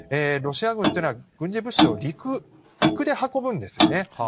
ロシア軍というのは軍事物資を陸で運ぶんですよね。